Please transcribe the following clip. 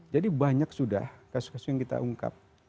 jadi banyak sudah kasus kasus yang kita ungkap